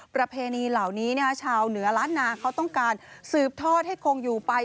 ประเพณีเหล่านี้ชาวเหนือล้านนาเขาต้องการสืบทอดให้คงอยู่ไป